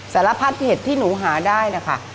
สารพัดเห็ดที่หนูหาได้นะคะ